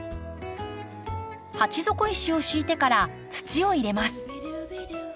鉢底石を敷いてから土を入れます。